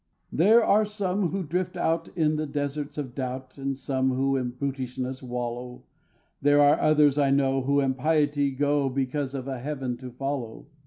There are some who drift out in the deserts of doubt, And some who in brutishness wallow; There are others, I know, who in piety go Because of a Heaven to follow.